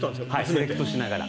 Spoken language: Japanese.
セレクトしながら。